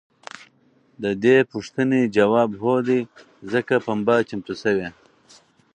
د دې پوښتنې ځواب هو دی ځکه پنبه چمتو شوې.